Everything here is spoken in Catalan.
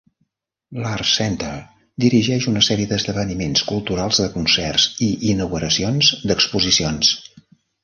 L"Arts Center dirigeix una sèrie d"esdeveniments culturals de concerts i inauguracions d"exposicions.